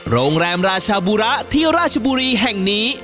โรงแรมราชาบุระที่ราชบุรีแห่งนี้